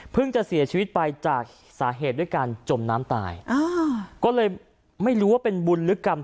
จะเสียชีวิตไปจากสาเหตุด้วยการจมน้ำตายอ่าก็เลยไม่รู้ว่าเป็นบุญลึกกรรม